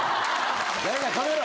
誰か止めろ。